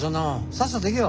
さっさと行けよ。